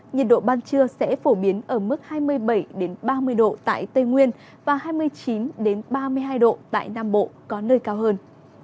nhiệt độ ban trưa sẽ phổ biến ở mức hai mươi bảy ba mươi độ tại tây nguyên và hai mươi chín ba mươi hai độ tại nam bộ có nơi cao hơn